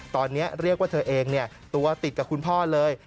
ตอนนี้เรียกว่าเธอเองตัวติดกับคุณพ่อเลย